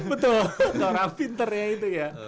betul ke orang pinter ya itu ya